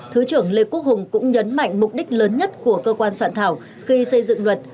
thứ trưởng lê quốc hùng cũng nhấn mạnh mục đích lớn nhất của cơ quan soạn thảo khi xây dựng luật